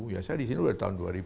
ya saya di sini dari tahun dua ribu